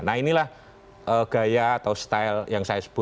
nah inilah gaya atau style yang saya sebut